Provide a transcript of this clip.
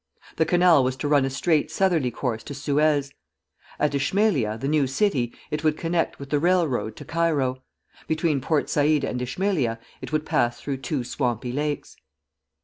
The canal was to run a straight southerly course to Suez. At Ismaïlia, the new city, it would connect with the railroad to Cairo; between Port Saïd and Ismaïlia it would pass through two swampy lakes.